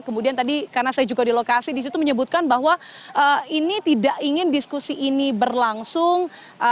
kemudian tadi karena saya juga di lokasi disitu menyebutkan bahwa ini tidak ingin diskusi ini berlangsung